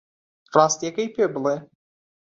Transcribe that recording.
ڕاستییەکەی پێ بڵێ.